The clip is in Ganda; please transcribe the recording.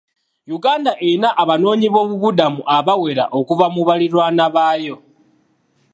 Uganda erina abanoonyiboobubudamu abawera okuva mu baliraanwa baayo.